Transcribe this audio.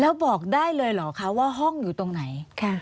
แล้วบอกได้เลยเหรอคะว่าห้องอยู่ตรงไหน